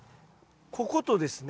こことですね